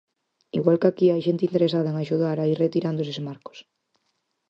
Igual que aquí, hai xente interesada en axudar a ir retirando eses marcos.